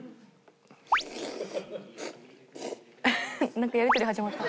なんかやり取り始まった。